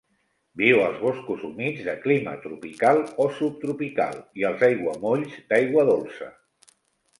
Viu als boscos humits de clima tropical o subtropical i als aiguamolls d'aigua dolça.